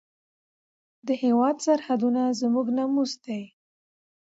د هېواد سرحدونه زموږ ناموس دی.